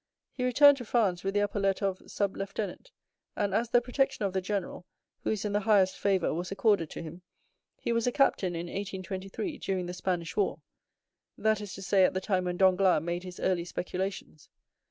He returned to France with the epaulet of sub lieutenant, and as the protection of the general, who is in the highest favor, was accorded to him, he was a captain in 1823, during the Spanish war—that is to say, at the time when Danglars made his early speculations.